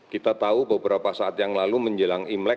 kita tahu beberapa saat yang lalu menjelang imlek